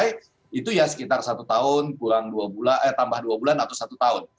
itu ya sekitar satu tahun kurang dua bulan eh tambah dua bulan atau satu tahun